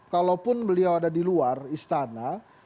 kalaupun beliau ada di luar istana